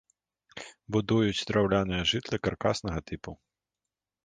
Будуюць драўляныя жытлы каркаснага тыпу.